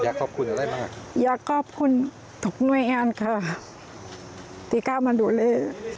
อยากขอบคุณอะไรบ้างอยากขอบคุณทุกน้วยอ้านค่ะที่ข้ามาดูเลย